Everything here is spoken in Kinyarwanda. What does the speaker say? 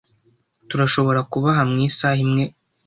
Turashobora kuhaba mu isaha imwe.